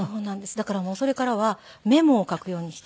だからもうそれからはメモを書くようにして。